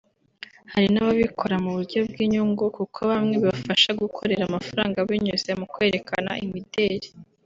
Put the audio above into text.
Hari n’ababikora mu buryo bw’inyungu kuko bamwe bibafasha gukorera amafaranga binyuze mu kwerekana imideli